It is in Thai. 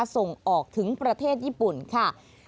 ส่งออกถึงประเทศญี่ปุ่นค่ะ